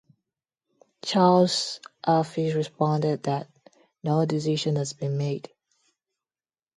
Charles's office responded that "no decision has been made".